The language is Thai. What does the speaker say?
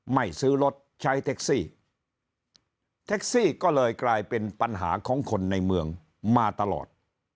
ไม่ซื้อรถใช้แท็กซี่แท็กซี่ก็เลยกลายเป็นปัญหาของคนในเมืองมาตลอด